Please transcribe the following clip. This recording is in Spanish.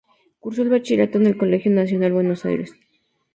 Cursó el Bachillerato en el Colegio Nacional Buenos Aires.